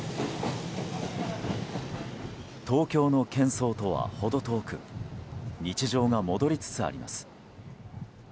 東京の喧騒とは程遠く日常が戻りつつあります。